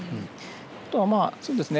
あとは、そうですね